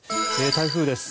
台風です。